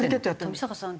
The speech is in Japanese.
富坂さん